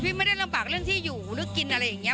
ไม่ได้ลำบากเรื่องที่อยู่หรือกินอะไรอย่างนี้